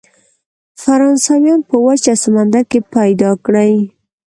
فرانسویان په وچه او سمندر کې پیدا کړي.